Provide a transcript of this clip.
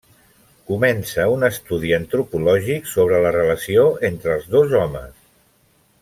Comença un estudi antropològic sobre la relació entre els dos homes.